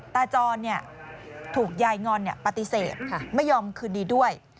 ตาจรเนี่ยถูกยายงอนเนี่ยปฏิเสธค่ะไม่ยอมคืนดีด้วย